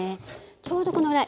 ちょうどこのぐらい。